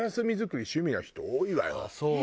ああそう？